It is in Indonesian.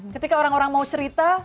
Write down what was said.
ketika orang orang mau cerita